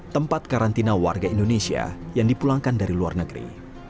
tempat karantina warga indonesia yang dipulangkan dari luar negeri